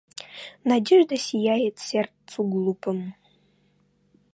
Надежда сияет сердцу глупому.